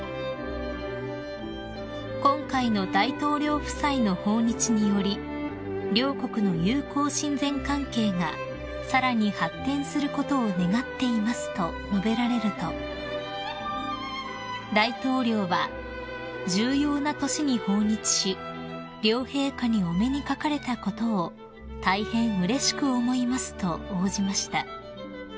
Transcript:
［「今回の大統領夫妻の訪日により両国の友好親善関係がさらに発展することを願っています」と述べられると大統領は「重要な年に訪日し両陛下にお目にかかれたことを大変うれしく思います」と応じました］